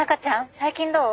最近どう？